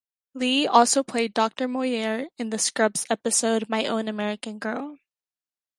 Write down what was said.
Lee also played Doctor Moyer in the "Scrubs" episode "My Own American Girl".